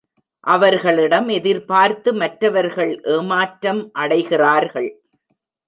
அவர்களிடம் எதிர்பார்த்து மற்றவர்கள் ஏமாற்றம் அடைகிறார்கள்.